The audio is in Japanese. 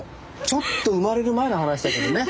ちょっと生まれる前の話だけどね。